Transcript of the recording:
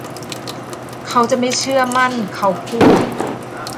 เขาจะไม่เชื่อมั่นเขาพูด